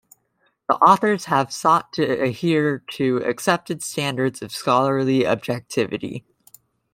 The authors have sought to adhere to accepted standards of scholarly objectivity.